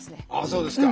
そうですか。